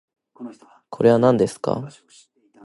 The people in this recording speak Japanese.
これはなんですか